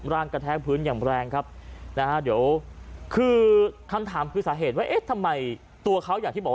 ร่างกระแท้พื้นยำแรงครับคำถามคือสาเหตุว่าทำไมตัวเขาอยากที่บอก